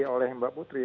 oleh mbak putri